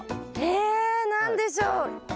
えっ何でしょう？